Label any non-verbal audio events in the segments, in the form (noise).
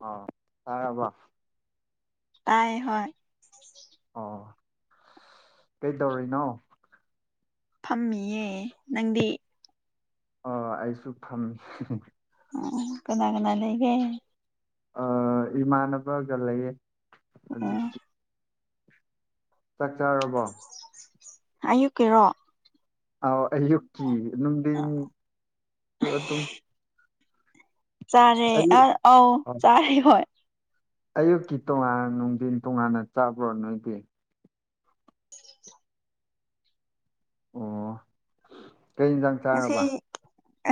ꯑ ꯇꯥꯕ ꯇꯥꯏ ꯍꯣꯏ ꯑꯣ ꯀꯩꯗꯧꯔꯤꯅꯣ ꯐꯝꯃꯤꯌꯦ ꯅꯪꯗꯤ ꯑꯣ ꯑꯩꯁꯨ ꯐꯝꯃꯤ ꯎ ꯀꯅꯥ ꯀꯅꯥ ꯂꯩꯒꯦ ꯏꯃꯥꯟꯅꯕꯒ ꯂꯩꯌꯦ ꯍꯧꯖꯤꯛ ꯑꯣ ꯆꯥꯛ ꯆꯥꯔꯕꯣ ꯑꯌꯨꯛꯀꯤꯔꯣ ꯑꯥꯎ ꯑꯌꯨꯛꯀꯤ ꯅꯨꯡꯗꯤꯡ ꯑꯗꯨꯝ ꯆꯥꯔꯦ ꯑꯌꯨꯛ ꯑ ꯑ ꯆꯥꯔꯦ ꯍꯣꯏ ꯑꯌꯨꯛꯀꯤ ꯇꯣꯉꯥꯟ ꯅꯨꯡꯊꯤꯟ ꯇꯣꯉꯥꯟꯅ ꯆꯥꯄ꯭ꯔꯣ ꯅꯣꯏꯗꯤ ꯑꯣ ꯀꯩꯟꯖꯥꯡ ꯁꯤ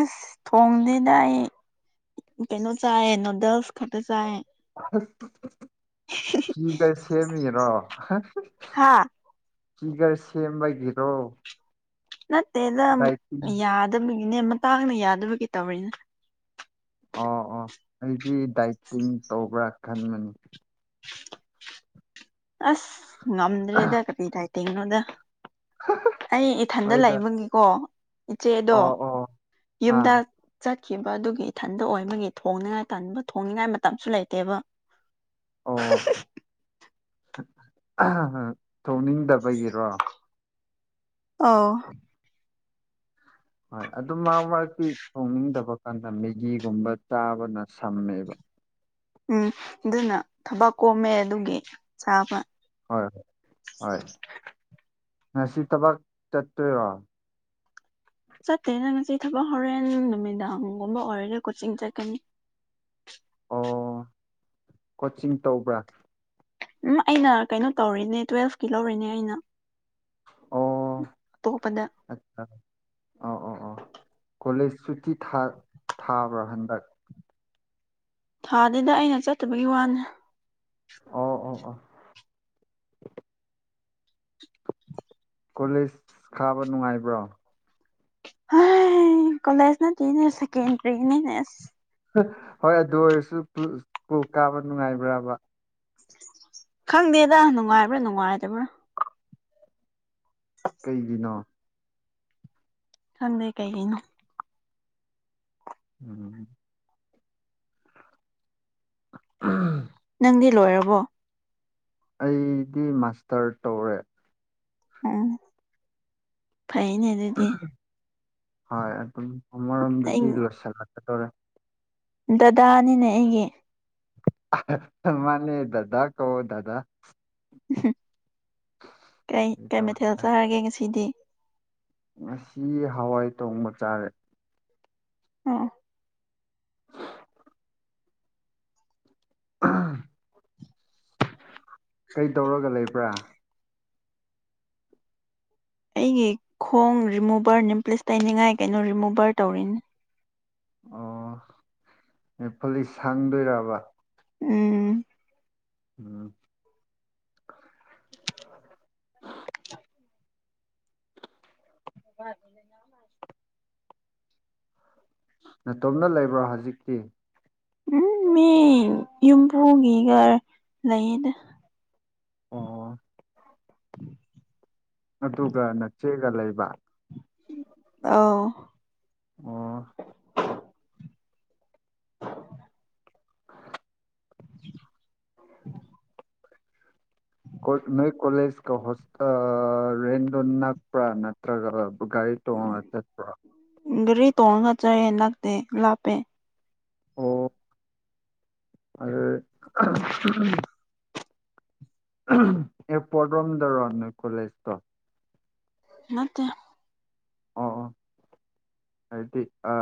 ꯑꯁ ꯊꯣꯡꯁꯤꯗ ꯑꯩ ꯀꯩꯅꯣ ꯆꯥꯏ ꯅꯨꯗꯜꯁ ꯈꯛꯇ ꯆꯥꯏꯌꯦ ꯍꯤ ꯀꯩ ꯁꯦꯝꯃꯤꯔꯣ ꯍꯥ ꯐꯤꯒꯔ ꯁꯦꯝꯕꯒꯤꯔꯣ ꯅꯠꯇꯦꯗ ꯗꯥꯏꯇꯤꯡ ꯌꯥꯗꯕꯒꯤꯅꯦ ꯃꯇꯥꯡꯅ ꯌꯥꯗꯕꯒꯤ ꯇꯧꯔꯤꯅ ꯑ ꯑꯣ ꯑꯩꯗꯤ ꯗꯥꯏꯇꯤꯡ ꯇꯧꯕ꯭ꯔꯥ ꯈꯟꯕꯅꯤ ꯑꯁ ꯉꯝꯗ꯭ꯔꯦꯗ ꯀꯄꯤ ꯇꯥꯏꯇꯤꯡꯅꯣꯗ ꯑꯩ ꯏꯊꯟꯗ ꯍꯣꯏꯗ ꯂꯩꯕꯒꯤ ꯀꯣ ꯏꯆꯦꯗꯣ ꯑꯣ ꯑꯣ ꯌꯨꯝꯗ ꯑꯥ ꯆꯠꯈꯤꯕ ꯑꯗꯨꯒꯤ ꯏꯊꯟꯗ ꯑꯣꯏꯕꯒꯤ ꯊꯣꯡꯅꯤꯉꯥꯏ ꯇꯕ ꯊꯣꯡꯅꯤꯡꯉꯥꯏ ꯃꯇꯝꯁꯨ ꯂꯩꯇꯦꯕ ꯊꯣꯛꯅꯤꯡꯗꯕꯒꯤꯔꯣ ꯑ ꯍꯣꯏ ꯑꯗꯨ ꯃꯔ ꯃꯔꯀꯤ ꯊꯣꯡꯅꯤꯡꯗꯕ ꯀꯥꯟꯗ ꯃꯦꯒꯤꯒꯨꯝꯕ ꯆꯥꯕꯅ ꯁꯝꯃꯦꯕ ꯎꯝ ꯑꯗꯨꯅ ꯊꯕꯛ ꯀꯣꯝꯃꯦ ꯑꯗꯨꯒꯤ ꯆꯥꯕ ꯍꯣꯏ ꯍꯣꯏ ꯍꯣꯏ ꯉꯁꯤ ꯊꯕꯛ ꯆꯠꯇꯣꯏꯔꯣ ꯆꯠꯇꯦꯅ ꯉꯁꯤ ꯊꯕꯛ ꯍꯣꯔꯦꯟ ꯅꯨꯃꯤꯗꯥꯡꯒꯨꯝꯕ ꯑꯣꯏꯔꯔꯦ ꯀꯣꯆꯤꯡ ꯆꯠꯀꯅꯤ ꯑꯣ ꯀꯣꯆꯤꯡ ꯇꯧꯕ꯭ꯔꯥ ꯎꯝ ꯑꯩꯅ ꯀꯩꯅꯣ ꯇꯧꯔꯤꯅꯦ ꯇꯨꯋꯦꯜꯐꯀꯤ ꯂꯧꯔꯤꯅꯦ ꯑꯩꯅ ꯑꯣ ꯇꯣꯄꯗ ꯑ ꯑꯧ ꯑꯧ ꯑꯧ ꯀꯣꯂꯦꯖ ꯁꯨꯇꯤ ꯊꯥꯕ꯭ꯔꯥ ꯍꯟꯗꯛ ꯊꯥꯗꯨꯗ ꯑꯩꯅ ꯆꯠꯇꯕꯒꯤ ꯋꯥꯅꯦ ꯑꯣꯥ ꯑꯣ ꯑꯥ ꯀꯣꯂꯦꯖ ꯈꯥꯕ ꯅꯨꯡꯉꯥꯏꯕ꯭ꯔꯣ ꯍ ꯀꯂꯦꯖ ꯅ ꯇꯅꯦꯀꯔꯤꯅꯦꯅꯦꯁ ꯍꯣꯏ ꯑꯗꯨ ꯑꯣꯏꯔꯁꯨ ꯀꯥꯕ ꯅꯨꯡꯉꯥꯏꯕ꯭ꯔꯥꯕ ꯈꯪꯗꯦꯗ ꯅꯨꯡꯉꯥꯏꯕ꯭ꯔꯥ ꯅꯨꯡꯉꯥꯏꯇꯕ꯭ꯔꯥ ꯀꯩꯒꯤꯅꯣ ꯈꯪꯗꯦ ꯀꯩꯒꯤꯅꯣ ꯎꯝ ꯎꯝ (inaudible) ꯅꯪꯗꯤ ꯂꯣꯏꯔꯕꯣ ꯑꯩꯗꯤ ꯃꯥꯁꯇꯔ ꯇꯧꯔꯦ ꯎꯝ ꯐꯩꯅꯦ ꯑꯗꯨꯗꯤ ꯍꯣꯏ ꯑꯗꯨꯝ ꯑꯩ ꯑꯃꯔꯣꯝꯗꯗꯤ ꯂꯣꯏꯁꯤꯜꯂꯛꯀꯗꯧꯔꯦ ꯗꯗꯥꯅꯤꯅꯦ ꯑꯩꯒꯤ ꯃꯅꯦ ꯗꯗ ꯀꯧꯑꯣ ꯗꯗ ꯎꯝ ꯀ ꯀꯩ ꯇꯧ ꯃꯊꯦꯜ ꯆꯥꯔꯒꯦ ꯉꯁꯤꯗꯤ ꯉꯁꯤ ꯍꯋꯥꯏ ꯊꯣꯡꯕ ꯆꯥꯔꯦ ꯑꯣ ꯀꯩ ꯇꯧꯔꯒ ꯂꯩꯕ꯭ꯔꯥ ꯑꯩꯒꯤ ꯈꯣꯡ ꯔꯤꯃꯨꯚꯔ ꯅꯤꯝꯄ꯭ꯂꯦꯁ ꯇꯅꯤꯡꯉꯥꯏ ꯀꯩꯅꯣ ꯔꯤꯃꯨꯚꯔ ꯇꯧꯔꯤꯅꯤ ꯑꯣ ꯅꯦꯜꯄꯣꯂꯤꯁ ꯁꯪꯗꯣꯏꯔꯕ ꯎꯝ ꯎꯝ ꯑ (inaudible) ꯍ (inaudible) ꯅꯇꯣꯝꯅ ꯂꯩꯕ꯭ꯔꯥ ꯍꯧꯖꯤꯛꯇꯤ ꯎꯝ ꯃꯤ ꯌꯨꯝꯕꯨꯒꯤꯒ ꯂꯩꯗ ꯑꯣ ꯑꯗꯨꯒ ꯅꯆꯦꯒ ꯂꯩꯕ ꯑꯧ ꯑꯣ (unintelligible) (unintelligible) ꯎ (unintelligible) ꯅꯣꯏ ꯀꯣꯂꯦꯖꯀ ꯍꯣꯁ ꯔꯦꯟꯗꯣ ꯅꯛꯄ꯭ꯔꯥ ꯅꯠꯇ꯭ꯔꯒ ꯒꯥꯔꯤ ꯇꯣꯡꯉ ꯆꯠꯕ꯭ꯔꯥ ꯒꯥꯔꯤ ꯇꯣꯡꯉꯒ ꯆꯠꯂꯦ ꯅꯛꯇꯦ ꯂꯥꯞꯄꯦ ꯑꯣ ꯑꯗ (inaudible) ꯑꯦꯄꯣꯔꯠꯔꯝꯗꯔꯣ ꯅꯣꯏ ꯀꯣꯂꯦꯖꯇꯣ ꯅꯠꯇꯦ ꯑꯣ ꯑꯣ (unintelligible) ꯍꯥꯏꯗꯤ ꯑ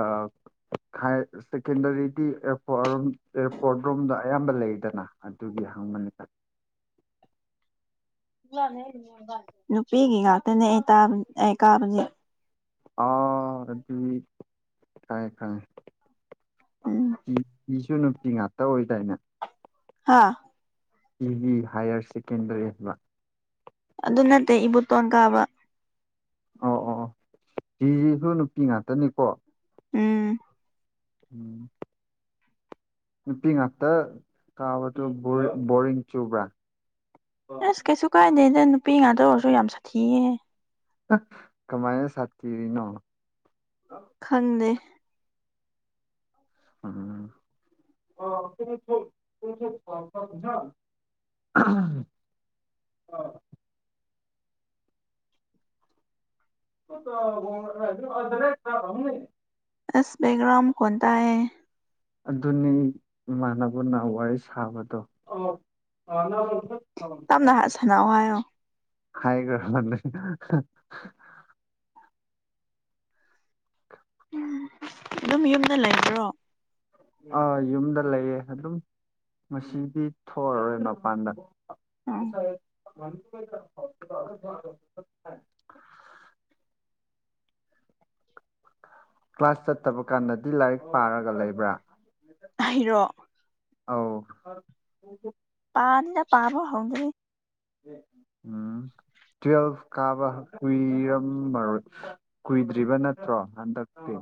ꯈꯥꯏ ꯁꯦꯀꯦꯟꯗꯔꯤꯗꯤ ꯑꯦꯄꯣꯔꯠꯣꯝ ꯑꯦꯔꯄꯣꯔꯠ ꯔꯣꯝꯗ ꯑꯌꯥꯝꯕ ꯂꯩꯗꯅ ꯑꯗꯨꯒꯤ ꯍꯪꯕꯅꯤ ꯅꯨꯄꯤꯒꯤ ꯉꯥꯛꯇꯅꯦ ꯑꯩꯅ ꯀꯕꯗꯤ ꯑꯥ ꯑꯗꯨꯗꯤ ꯈꯥꯏꯌꯦ ꯎꯝ ꯇꯤꯖꯤꯁꯨ ꯅꯨꯄꯤ ꯉꯥꯛꯇ ꯑꯣꯏꯗꯥꯏꯅꯦ ꯍꯥꯥ ꯇꯤꯖꯤ ꯍꯥꯌꯌꯔ ꯁꯦꯀꯦꯟꯗꯔꯤ ꯍꯥꯏꯕ ꯑꯗꯨ ꯅꯠꯇꯦ ꯏꯕꯨꯇꯣꯟ ꯀꯥꯕ ꯑꯣ ꯑꯣ ꯑꯣ ꯇꯤꯁꯤꯁꯨ ꯅꯨꯄꯤ ꯉꯥꯛꯇꯅꯤꯀꯣ ꯎꯝ ꯎꯝ (inaudible) ꯅꯨꯄꯤ ꯉꯥꯛꯇ ꯀꯥꯕꯗꯨ ꯕꯣꯔꯤꯡ ꯆꯨꯕ꯭ꯔꯥ ꯑꯁ ꯀꯩꯁꯨ ꯀꯥꯏꯗꯦꯗ ꯅꯨꯄꯤ ꯉꯥꯛꯇ ꯑꯣꯏꯔꯁꯨ ꯌꯥꯝ ꯁꯥꯊꯤꯑꯦ ꯀꯃꯥꯏꯅ ꯁꯥꯇꯤꯔꯤꯅꯣ ꯈꯪꯗꯦ ꯎꯝ (inaudible) ꯑꯥ (unintelligible) ꯏꯁ ꯕꯥꯛꯒ꯭ꯔꯝ ꯃꯀꯣꯟ ꯇꯥꯏ ꯌꯦ ꯑꯗꯨꯅꯤ ꯏꯃꯥꯟꯅꯕꯅ ꯋꯥꯔꯤ ꯁꯥꯕꯗꯣ ꯇꯞꯅ ꯁꯥꯟꯅꯧ ꯍꯥꯏꯌꯣ ꯍꯥꯏꯒꯦ (inaudible) ꯑꯗꯨꯝ ꯌꯨꯝꯗ ꯂꯩꯕ꯭ꯔꯣ ꯑꯥ ꯌꯨꯝꯗ ꯂꯩꯌꯦ ꯑꯗꯨꯝ ꯉꯁꯤꯗꯤ ꯊꯣꯛꯑꯔꯣꯏ ꯃꯄꯥꯟꯗ (unintelligible) ꯀ꯭ꯂꯥꯁ ꯆꯠꯇꯕ ꯀꯥꯟꯗꯗꯤ ꯂꯥꯏꯔꯤꯛ ꯄꯥꯔꯒ ꯂꯩꯕ꯭ꯔꯥ ꯑꯩꯔꯣ ꯑꯥꯎ ꯄꯥꯗ ꯄꯥꯕ ꯍꯧꯗꯔꯤ ꯎꯝ (inaudible) ꯇꯨꯋꯦꯜꯐ ꯀꯥꯕ ꯀꯨꯏꯔꯝꯃꯔꯣꯏ ꯀꯨꯏꯗ꯭ꯔꯤꯕ ꯅꯠꯇ꯭ꯔꯣ ꯍꯟꯗꯛꯇꯤ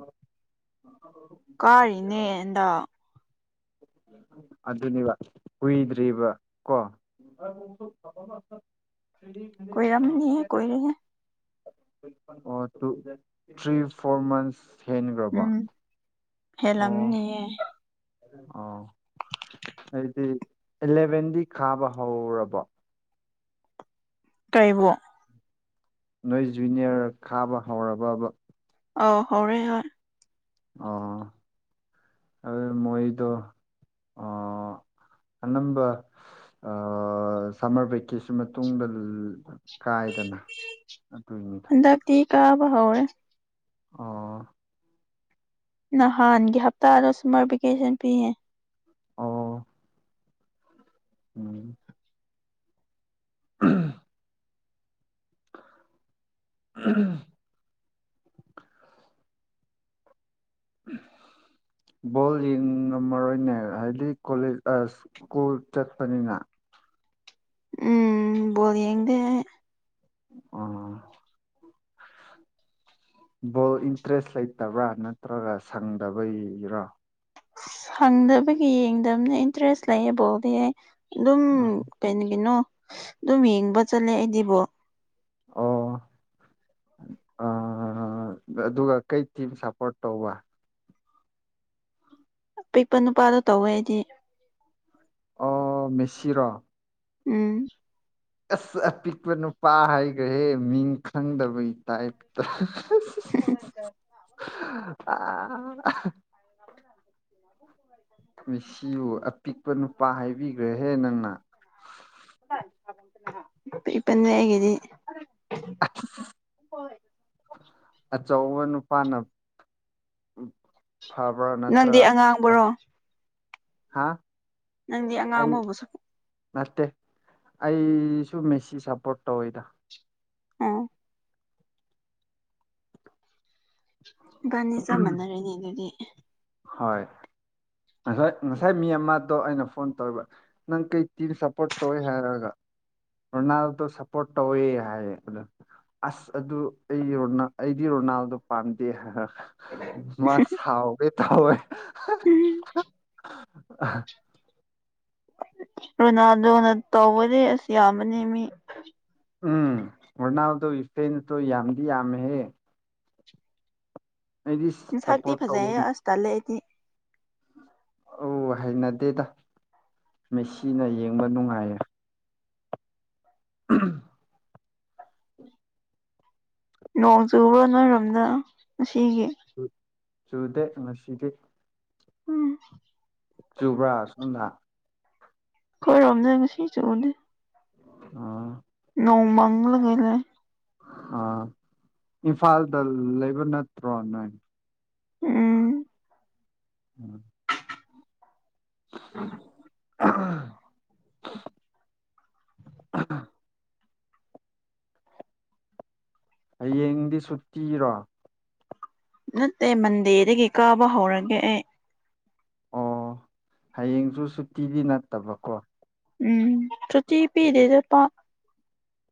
ꯀꯥꯔꯤꯅꯦꯟ ꯍꯟꯗꯛ ꯑꯗꯨꯅꯦꯕ ꯀꯨꯏꯗ꯭ꯔꯤꯕ ꯀꯣ (unintelligible) ꯀꯣꯏꯔꯝꯅꯤ ꯀꯣꯏ ꯑꯣ ꯊ꯭ꯔꯤ ꯐꯣꯔ ꯃꯟꯁ ꯍꯦꯟꯈ꯭ꯔꯕ ꯍꯂꯝꯅꯤ ꯑꯣ ꯍꯥꯏꯗꯤ ꯑꯦꯂꯚꯦꯟꯗꯤ ꯈꯥꯕ ꯍꯧꯔꯕꯣ ꯀꯩꯕꯨ ꯅꯣꯏ ꯖꯨꯅꯤꯌꯔ ꯈꯥꯕ ꯍꯧꯔꯕ ꯑꯣ ꯍꯔꯦ ꯍꯣꯏ ꯑ ꯃꯣꯏꯗꯣ ꯑ ꯑꯅꯝꯕ ꯁꯝꯃꯔ ꯚꯦꯀꯦꯁꯟ ꯃꯇꯨꯡꯗ ꯀꯥꯏꯗꯅ ꯑꯗꯨꯅꯤꯗ ꯊꯤ ꯀꯥꯕ ꯍꯧꯔꯦ ꯑꯣ ꯅꯍꯥꯟꯒꯤ ꯍꯞꯇꯥꯗ ꯁꯨꯃꯔ ꯚꯦꯀꯦꯁꯟ ꯄꯤꯌꯦ ꯑꯣ ꯎꯝ (unintelligible) (unintelligible) (unintelligible) ꯕꯣꯜ ꯌꯦꯡ ꯉꯝꯃꯔꯣꯏꯅꯦ ꯍꯥꯏꯗꯤ ꯀꯣꯂꯦ ꯁ꯭ꯀꯨꯜ ꯆꯠꯄꯅꯤꯅ ꯎꯝ ꯕꯣꯜ ꯌꯦꯡꯗ ꯑꯣ ꯕꯣꯜ ꯏꯟꯇꯔꯦꯁ ꯂꯩꯇꯕ꯭ꯔꯥ ꯅꯠꯇ꯭ꯔꯒ ꯁꯪꯗꯕꯒꯤꯔꯥ ꯑꯁ ꯁꯪꯗꯕꯒꯤ ꯌꯦꯡꯗꯕꯅ ꯏꯟꯇꯔꯦꯁ ꯂꯩꯌꯦꯕꯥꯎꯗꯤ ꯑꯩ ꯑꯗꯨꯝ (unintelligible) ꯀꯔꯤꯒꯤꯅꯣ ꯑꯗꯨꯝ ꯌꯦꯡꯕ ꯆꯠꯂꯦ ꯑꯩꯗꯤꯕꯣ ꯑꯣ (inaudible) ꯑ ꯑꯗꯨꯒ ꯀꯩ ꯇꯤꯝ ꯁꯞꯄꯣꯔꯠ ꯇꯧꯕ ꯑꯄꯤꯛꯄ ꯅꯨꯄꯥꯗꯣ ꯇꯧꯋꯦ ꯑꯩꯗꯤ ꯑꯣ ꯃꯦꯁꯤꯔꯣ ꯎꯝ ꯑꯁ ꯑꯄꯤꯛꯄ ꯅꯨꯄꯥ ꯍꯥꯏꯈ꯭ꯔꯍꯦ ꯃꯤꯡ ꯈꯪꯗꯕꯒꯤ ꯇꯥꯏꯞꯇ (unintelligible) ꯃꯤꯁꯤꯕꯨ ꯑꯄꯤꯛꯄ ꯅꯨꯄꯥ ꯍꯥꯏꯕꯤꯈ꯭ꯔꯦꯍꯦ ꯅꯪꯅ (unintelligible) ꯄꯤꯛꯄꯅꯦ ꯑꯩꯒꯤꯗꯤ ꯍꯣꯏ ꯑꯆꯧꯕ ꯅꯨꯄꯥꯅ ꯐꯥꯕꯔ ꯅꯪꯗꯤ ꯅꯠꯇ꯭ꯔꯒ ꯑꯉꯥꯡꯕꯔꯣ ꯍꯥꯥ ꯅꯪꯗꯤ ꯑꯉꯥꯡ ꯐꯕꯨꯁꯨ ꯅꯠꯇꯦ ꯑꯩꯁꯨ ꯃꯦꯁꯤ ꯁꯞꯄꯣꯔꯠ ꯇꯧꯋꯤꯗ ꯑꯣ ꯏꯕꯅꯤ ꯆꯞ ꯃꯅꯔꯦꯅꯤ ꯑꯗꯨꯗꯤ ꯍꯣꯏ ꯉꯁ ꯉꯁꯥꯏ ꯃꯤ ꯑꯃꯗꯣ ꯑꯩꯅ ꯐꯣꯟ ꯇꯧꯔꯤꯕ ꯅꯪ ꯀꯩ ꯇꯤꯝ ꯁꯄꯣꯔꯠ ꯇꯧꯋꯦ ꯍꯥꯏꯔꯒ ꯔꯣꯅꯥꯜꯗꯣ ꯁꯄꯣꯔꯠ ꯇꯧꯋꯦ ꯍꯥꯏ ꯑꯁ ꯑꯗꯨ ꯑꯩꯗꯤ ꯔꯣꯅꯥꯜꯗꯣ ꯄꯥꯝꯗꯦ ꯃꯥ ꯁꯥꯎꯒꯦ ꯇꯧꯏ (unintelligible) ꯔꯣꯅꯥꯜꯗꯣꯅ ꯇꯧꯕꯗꯤ ꯑꯁ ꯌꯥꯝꯕꯅꯦ ꯃꯤ ꯎꯝ ꯔꯣꯅꯥꯜꯗꯣꯒꯤ ꯐꯦꯟꯇꯣ ꯌꯥꯝꯗꯤ ꯌꯥꯃꯦ ꯍꯦ ꯁꯃꯁꯛꯇꯤ ꯁꯞꯄꯣꯔꯠ ꯇꯧ ꯐꯖꯩꯍꯦ ꯑꯁ ꯇꯥꯜꯂꯦ ꯑꯩꯗꯤ ꯑꯣ ꯍꯩꯅꯗꯦꯗ ꯃꯦꯁꯤꯅ ꯌꯦꯡꯕ ꯅꯨꯡꯉꯥꯏꯌꯦ (unintelligible) ꯅꯣꯡ ꯆꯨꯕ꯭ꯔꯣ ꯅꯣꯏꯔꯣꯝꯗ ꯉꯥꯁꯤꯒꯤ ꯆꯨꯗꯦ ꯉꯥꯁꯤꯗꯤ ꯎꯝ ꯆꯨꯕ꯭ꯔꯥ ꯁꯣꯝꯗ ꯑꯩꯈꯣꯏꯔꯣꯝ ꯉꯁꯤ ꯆꯨꯕꯅꯦ ꯑꯣ ꯅꯣꯡ ꯃꯡꯂꯒ ꯂꯩ ꯑꯥ ꯏꯝꯐꯥꯜꯗ ꯂꯩꯕ ꯅꯠꯇ꯭ꯔꯣ ꯅꯣꯏ ꯎꯝ (unintelligible) (unintelligible) (unintelligible) (unintelligible) ꯍꯌꯦꯡꯗꯤ ꯁꯨꯇꯤꯔꯣ ꯅꯠꯇꯦ ꯃꯟꯗꯦꯗꯒꯤ ꯀꯥꯕ ꯍꯧꯔꯒꯦ ꯑꯩ ꯑꯣ ꯍꯌꯦꯡꯁꯨ ꯁꯨꯇꯤꯗꯤ ꯅꯠꯇꯕ ꯀꯣ ꯎꯝ ꯁꯨꯇꯤ ꯄꯤꯗꯦꯗ ꯄꯥꯛ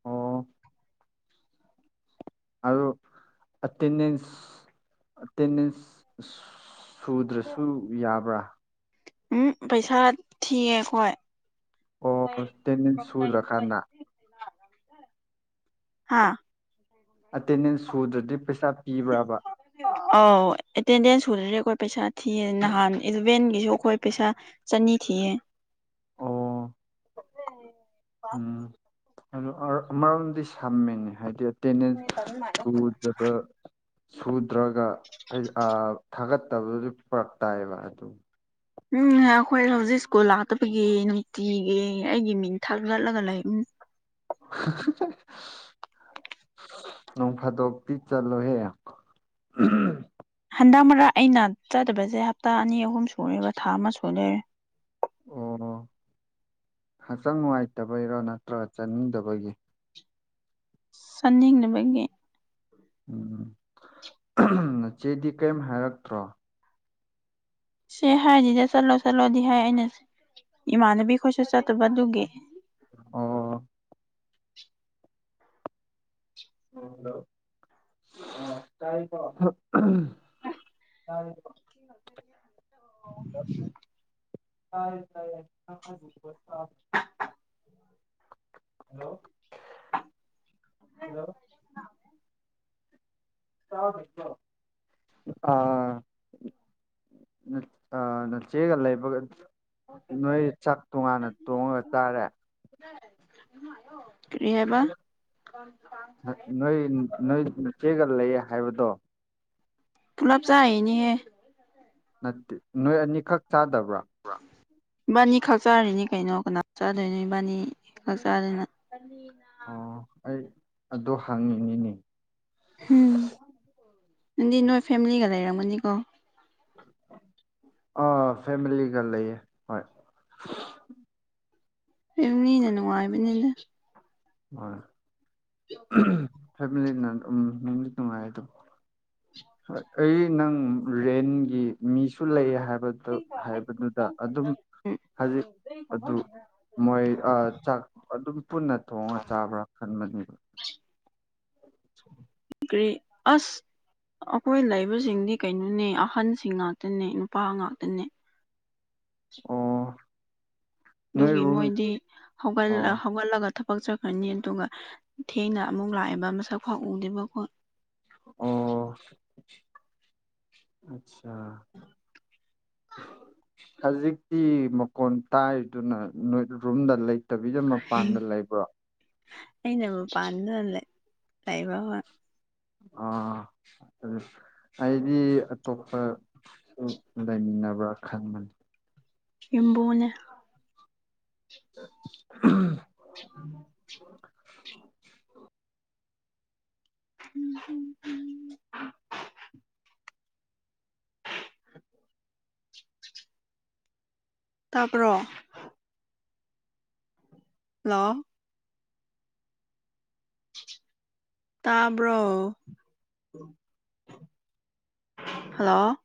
ꯑꯣ ꯑꯗꯣ ꯑꯦꯇꯦꯟꯗꯦꯟꯁ ꯑꯦꯇꯦꯟꯗꯦꯟꯁ ꯁꯨꯗ꯭ꯔꯁꯨ ꯌꯥꯕ꯭ꯔꯥ ꯎꯝ ꯄꯩꯁꯥ ꯊꯤꯑꯦ ꯑꯩꯈꯣꯏ ꯑꯣ ꯑꯦꯇꯦꯟꯗꯦꯟꯁ ꯁꯨꯗ꯭ꯔꯀꯥꯟꯗ ꯍꯥꯥ ꯑꯦꯇꯦꯟꯗꯦꯟꯁ ꯁꯨꯗ꯭ꯔꯗꯤ ꯄꯩꯁꯥ ꯄꯤꯕ꯭ꯔꯥꯕ ꯑꯧ ꯑꯦꯇꯦꯟꯗꯦꯟꯁ ꯁꯨꯗ꯭ꯔꯦ ꯑꯩꯈꯣꯏ ꯄꯩꯁꯥ ꯊꯤꯌꯦ ꯅꯍꯥꯟ ꯏꯂꯚꯦꯟꯒꯤꯁꯨ ꯑꯩꯈꯣꯏ ꯄꯩꯁꯥ ꯆꯅꯤ ꯊꯤꯌꯦ ꯑꯣ ꯎꯝ ꯑꯗꯨ ꯑꯃꯔꯣꯝꯗꯤ ꯁꯝꯃꯦꯅꯦ ꯍꯥꯏꯗꯤ ꯑꯦꯇꯦꯟꯗꯦꯟꯁ ꯁꯨꯗ ꯁꯨꯗ꯭ꯔꯒ ꯊꯥꯒꯠꯇꯕ ꯐꯔꯥꯛ ꯇꯥꯏꯕ ꯑꯗꯨ ꯎꯝ ꯑꯩꯈꯣꯏ ꯍꯧꯖꯤꯛ ꯁ꯭ꯀꯨꯜ ꯂꯥꯛꯇꯕꯒꯤ ꯅꯨꯡꯇꯤꯒꯤ ꯑꯩꯒꯤ ꯃꯤꯡ ꯊꯛꯂꯠꯂꯒ ꯂꯩ ꯎꯝ (unintelligible) ꯅꯣꯡ ꯐꯥꯗ‌ꯧꯛꯇꯤ ꯆꯜꯂꯣ ꯍꯦ ꯍꯟꯗꯛ ꯃꯔꯛ ꯑꯩꯅ ꯆꯥꯠꯇꯕꯁꯦ ꯍꯞꯇꯥ ꯑꯅꯤ ꯑꯍꯨꯝ ꯁꯨꯨꯔꯦꯕ ꯊꯥ ꯑꯃ ꯁꯨꯨꯔꯦ ꯑꯣ ꯍꯛꯆꯥꯡ ꯅꯨꯡꯉꯥꯏꯇꯕꯩꯔꯥ ꯅꯠꯇ꯭ꯔ ꯆꯠꯅꯤꯡꯗꯕꯒꯤ ꯁꯟꯅꯤꯡꯅꯕꯒꯤ ꯎꯝ ꯅꯆꯦꯗꯤ ꯀꯔꯤꯝ ꯍꯥꯏꯔꯛꯇ꯭ꯔꯣ ꯁꯤ ꯍꯥꯏꯗꯤꯗ ꯆꯠꯂꯣ ꯆꯠꯂꯣꯗꯤ ꯍꯥꯏ ꯑꯩꯅ ꯏꯃꯥꯟꯅꯕꯤ ꯈꯣꯏꯁꯨ ꯆꯠꯇꯕ ꯗꯨꯒꯤ ꯑꯣ ꯇꯥꯏꯀꯣ ꯌꯥ (unintelligible) ꯇꯥꯏ ꯇꯥꯏ ꯍꯂꯣ ꯍꯂꯣ ꯑꯥ ꯅꯆꯦꯒ ꯂꯩꯕꯒ ꯅꯣꯏ ꯆꯥꯛ ꯇꯣꯡꯉꯥꯟꯅ ꯇꯣꯡꯉꯒ ꯆꯥꯔꯦ ꯀꯔꯤꯍꯥꯏꯕ ꯅꯣꯏ ꯅꯣꯏ ꯆꯦꯒ ꯂꯩꯌꯦ ꯍꯥꯏꯕꯗꯣ ꯄꯨꯂꯥꯞ ꯆꯥꯏꯅꯤꯍ‌ꯦ ꯅꯠꯇꯦ ꯅꯣꯏ ꯑꯅꯤꯈꯛ ꯆꯥꯗꯕ꯭ꯔꯥ ꯏꯕꯥꯅꯤ ꯈꯛ ꯆꯥꯔꯤꯅꯤ ꯀꯩꯅꯣ ꯀꯅꯥ ꯆꯥꯗꯣꯏꯅꯣ ꯏꯕꯥꯅꯤ ꯈꯛ ꯆꯥꯗꯅ ꯑꯅꯤꯅ ꯑꯣ ꯑꯩ ꯑꯗꯨꯣ ꯍꯥꯡꯉꯤꯅꯤꯅꯤ ꯎꯝ ꯅꯪꯗꯤ ꯅꯣꯏ ꯐꯦꯃꯤꯂꯤꯒ ꯂꯩꯔꯝꯒꯅꯤꯀꯣ ꯑꯥ ꯐꯦꯃꯤꯂꯤꯒ ꯂꯩꯌꯦ ꯍꯣꯏ ꯐꯝꯂꯤꯅ ꯅꯨꯡꯉꯥꯏꯕꯅꯤꯅ ꯍꯣꯏ ꯐꯦꯃꯤꯂꯤꯅ ꯗꯨꯝ ꯅꯨꯡꯉꯥꯏ ꯑꯗꯨꯝꯕ‌ꯧ ꯍꯣꯏ ꯑꯩ ꯅꯪ ꯔꯦꯟꯒꯤ ꯃꯤꯁꯨ ꯂꯩ ꯍꯥꯏꯕ ꯑꯗꯨ ꯍꯥꯏꯕꯗꯨꯗ ꯑꯗꯨꯝ ꯍꯩꯖꯤꯛ ꯑꯗꯨ ꯃꯣꯏ ꯑ ꯆꯥꯛ ꯑꯗꯨꯝ ꯄꯨꯟꯅ ꯊꯣꯡꯉ ꯆꯥꯕ꯭ꯔꯥ ꯈꯟꯕꯅꯤ ꯀꯔꯤ ꯑꯁ ꯑꯩꯈꯣꯏ ꯂꯩꯕꯁꯤꯡꯗꯤ ꯀꯩꯅꯣꯅꯦ ꯑꯍꯟꯁꯤꯡ ꯉꯥꯛꯇꯅꯦ ꯅꯨꯄꯥ ꯉꯥꯛꯇꯅꯦ ꯑꯣ ꯅꯣꯏ ꯑꯗꯨꯒꯤ ꯔꯨꯝ ꯃꯣꯏꯗꯤ ꯍꯧꯒꯜ ꯑꯣ ꯍꯧꯒꯠꯂꯒ ꯊꯕꯛ ꯆꯠꯈꯅꯤ ꯑꯗꯨꯒ ꯊꯦꯡꯅ ꯑꯃꯨꯛ ꯂꯥꯛꯑꯦꯕ ꯃꯁꯛ ꯈꯥꯛꯎꯗꯦꯕꯥꯀ‌‌ꯣ ꯑꯣ ꯑꯆꯥ ꯍꯧꯖꯤꯛꯇꯤ ꯃꯀꯣꯟ ꯇꯥꯏꯗꯨꯅ ꯔꯨꯝꯗ ꯂꯩ ꯇꯕꯤꯗ ꯃꯄꯥꯟꯗ ꯂꯩꯕ꯭ꯔꯣ ꯑꯩꯅ ꯃꯄꯥꯟꯗ ꯂꯩꯕ ꯍ‌ꯣꯏ ꯑꯥ ꯑꯗꯨ ꯑꯩꯗꯤ ꯑꯇꯣꯞꯄ ꯂꯩꯃꯤꯟꯅꯕ꯭ꯔꯥ ꯈꯟꯕꯂꯤ ꯏꯝꯕꯨꯅ‌ꯦ ꯎꯝ ꯎꯝ (unintelligible) ꯎꯝ ꯎꯝ (unintelligible) (unintelligible) ꯇꯥꯕ꯭ꯔꯣ ꯍꯜꯂꯣ ꯇꯥꯕ꯭ꯔꯣ ꯍꯜꯂꯣ